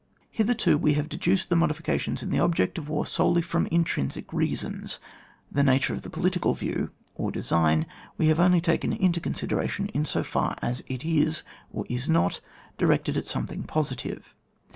Hitherto we have deduced the modifi cations in the object of war solely from intrinsic reasons. The nature of the political view (or design) we have only taken into consideration in so far as it is or is not directed at something posi tive.